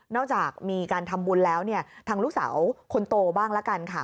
จากมีการทำบุญแล้วเนี่ยทางลูกสาวคนโตบ้างละกันค่ะ